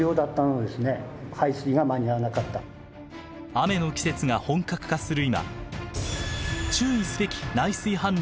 雨の季節が本格化する